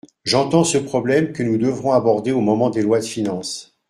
J’entends ce problème que nous devrons aborder au moment des lois de finances.